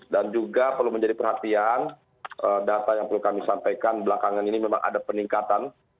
dan juga perlu menjadi perhatian data yang perlu kami sampaikan belakangan ini memang ada peningkatan